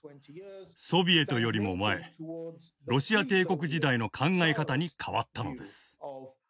ソビエトよりも前ロシア帝国時代の考え方に変わったのです。